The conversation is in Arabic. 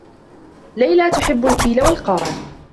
ليلى تحبّ القيل و القال.